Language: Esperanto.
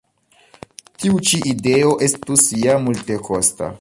Tiu ĉi ideo estus ja multekosta.